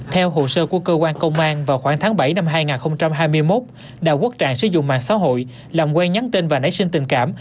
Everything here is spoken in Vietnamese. theo hồ sơ của cơ quan công an vào khoảng tháng bảy năm hai nghìn hai mươi một đào quốc trạng sử dụng mạng xã hội làm quen nhắn tin và nảy sinh tình cảm